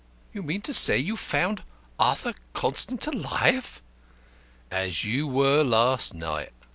"You mean to say you found Arthur Constant alive?" "As you were last night."